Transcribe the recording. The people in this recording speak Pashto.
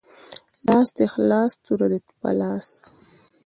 لاس دی خلاص توره دی په لاس